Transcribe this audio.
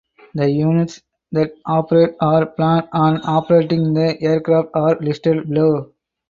The units that operate or plan on operating the aircraft are listed below.